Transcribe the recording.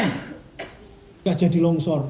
tidak jadi longsor